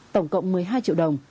tổng cộng một mươi hai triệu đồng